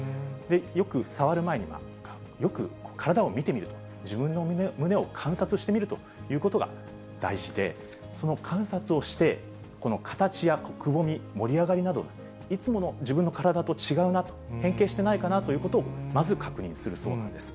よく触る前には、よく体を見てみると、自分の胸を観察してみるということが大事で、その観察をして、この形やくぼみ、盛り上がりなど、いつもの自分の体と違うな、変形してないかなということを、まず確認するそうなんです。